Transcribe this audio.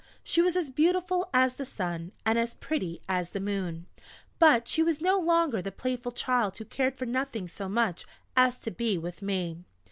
She was as beautiful as the Sun, and as pretty as the Moon; but she was no longer the playful child who cared for nothing so much as to be with me.